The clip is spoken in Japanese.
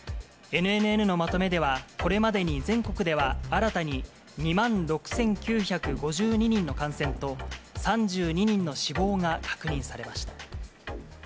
ＮＮＮのまとめでは、これまでに全国では新たに２万６９５２人の感染と、３２人の死亡が確認されました。